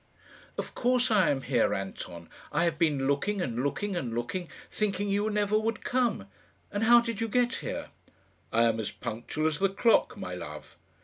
"Of course I am here, Anton. I have been looking, and looking, and looking, thinking you never would come; and how did you get here?" "I am as punctual as the clock, my love."